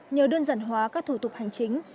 nhờ đơn giản hóa các thủ tục hành chính